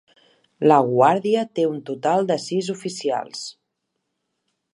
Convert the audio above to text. La Guàrdia té un total de sis oficials.